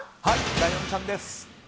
ライオンちゃんです！